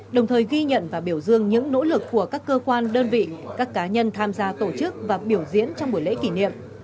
đồng thời ghi nhận và biểu dương những nỗ lực của các cơ quan đơn vị các cá nhân tham gia tổ chức và biểu diễn trong buổi lễ kỷ niệm